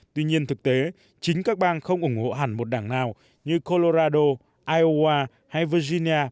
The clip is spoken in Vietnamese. tuy nhiên thực tế chính các bang không ủng hộ hẳn một đảng nào như colorado iowa hay virginia